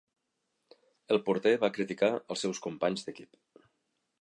El porter va criticar els seus companys d'equip.